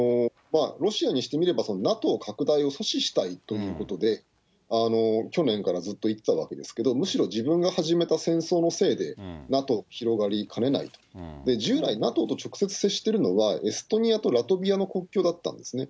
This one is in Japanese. ロシアにしてみれば、ＮＡＴＯ拡大を阻止したいということで、去年からずっと言っていたわけですけど、むしろ自分が始めた戦争のせいで、ＮＡＴＯが広がりかねないと、従来、ＮＡＴＯと直接接しているのは、エストニアとラトビアの国境だったんですね。